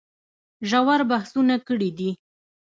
ژور بحثونه کړي دي